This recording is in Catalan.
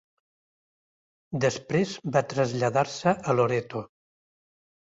Després va traslladar-se a Loreto.